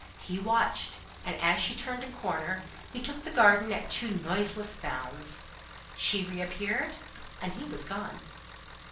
He watched, and as she turned a corner, he took the garden at two noiseless bounds. She reappeared, and he was gone.